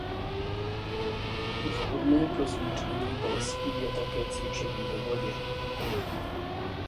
Vhodné pro zmírnění bolestí je také cvičení ve vodě.